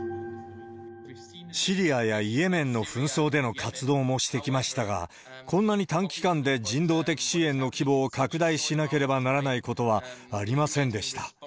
シリアやイエメンの紛争での活動もしてきましたが、こんなに短期間で人道的支援の規模を拡大しなければならないことはありませんでした。